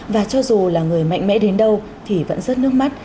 và cho dù là người mạnh mẽ đến đâu thì vẫn rớt nước mắt